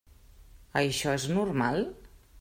Això és normal?